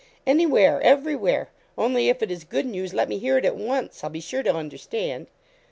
'Anywhere, everywhere, only if it is good news, let me hear it at once. I'll be sure to understand.'